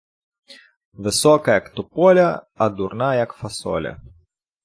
Висока, як тополя, а дурна, як фасоля.